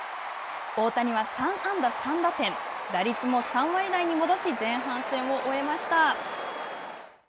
大谷は３安打３打点打率も３割台に戻し前半戦を終えました。